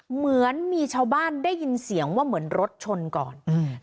เหมือนมีชาวบ้านได้ยินเสียงว่าเหมือนรถชนก่อนอืม